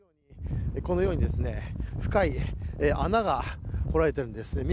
このように深い穴が掘られているんです。